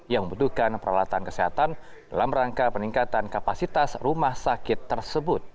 yang membutuhkan peralatan kesehatan dalam rangka peningkatan kapasitas rumah sakit tersebut